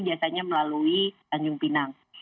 biasanya melalui tanjung pinang